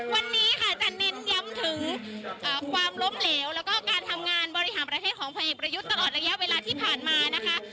วันนี้ค่ะจะเน้นย้ำถึงความล้มเหลวแล้วก็การทำงานบริหารประเทศของพลเอกประยุทธ์ตลอดระยะเวลาที่ผ่านมานะคะ